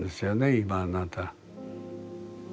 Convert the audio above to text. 今あなた。